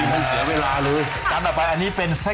มันเสียเวลาเลย